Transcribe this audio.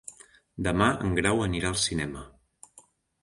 Demà en Grau anirà al cinema.